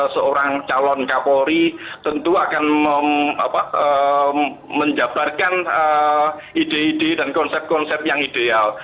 seorang calon kapolri tentu akan menjabarkan ide ide dan konsep konsep yang ideal